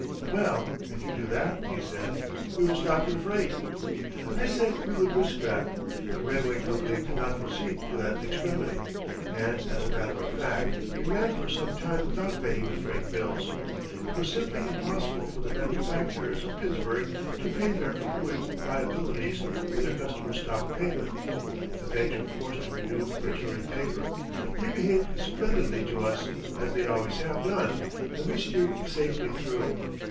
"Well, if you do that," he said, "we will stop your freight." I said we would risk that. The railway company could not proceed to that extremity. And as a matter of fact we ran for some time without paying the freight bills. It was simply impossible for the manufacturers of Pittsburgh to pay their accruing liabilities when their customers stopped payment. The banks were forced to renew maturing paper. They behaved splendidly to us, as they always have done, and we steered safely through.